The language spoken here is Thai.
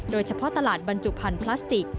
โดยเฉพาะตลาดบรรจุภัณฑ์พลาสติก